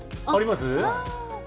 あります？